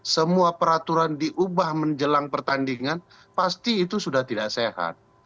semua peraturan diubah menjelang pertandingan pasti itu sudah tidak sehat